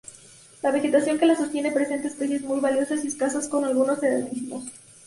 La vegetación que la sostiene presenta especies muy valiosas y escasas, con algunos endemismos.